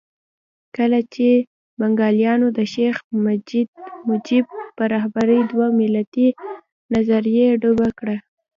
کله چې بنګالیانو د شیخ مجیب په رهبرۍ دوه ملتي نظریه ډوبه کړه.